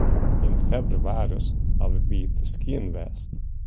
Yn febrewaris hawwe wy te skieën west.